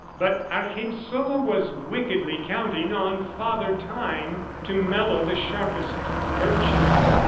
But Argensola was wickedly counting on Father Time to mellow the sharpest virtues.